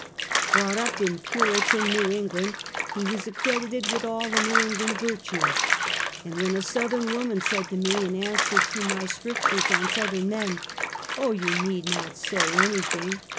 Brought 132 Half a Centuky. up in Puritan New England, lie was accredited with all the ISTew England virtues; and when a Southern woman said to me, in answer to my strictures on Southern men: "Oh, you need not say anything!